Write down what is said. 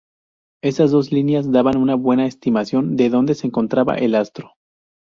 Esas dos líneas daban una buena estimación de dónde se encontraba el astro.